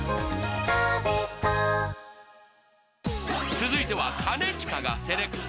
続いては兼近がセレクト。